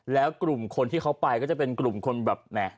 แล้วกลุ่มคนที่เขาไปก็จะเป็นกลุ่มคนแบบแหม